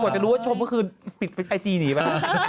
กว่าก็รู้ว่าชมเมื่อคืนปิดไอจีน่ะ